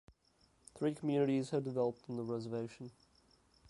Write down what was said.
Three communities have developed on the reservation.